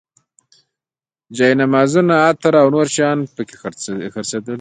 جاینمازونه، عطر او نور شیان په کې خرڅېدل.